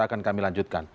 akan kami lanjutkan